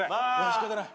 仕方ない。